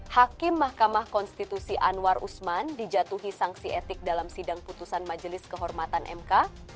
hakim mahkamah konstitusi anwar usman dijatuhi sanksi etik dalam sidang putusan majelis kehormatan mk